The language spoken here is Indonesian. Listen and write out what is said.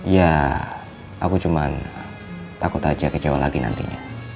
ya aku cuma takut aja kecewa lagi nantinya